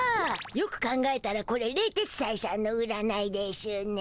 よく考えたらこれ冷徹斎さんの占いでしゅね。